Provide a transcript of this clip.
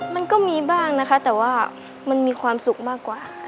มันก็มีบ้างนะคะแต่ว่ามันมีความสุขมากกว่า